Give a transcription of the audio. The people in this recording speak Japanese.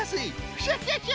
クシャシャシャ！